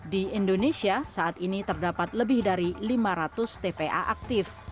di indonesia saat ini terdapat lebih dari lima ratus tpa aktif